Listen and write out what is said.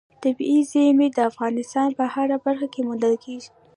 طبیعي زیرمې د افغانستان په هره برخه کې موندل کېږي.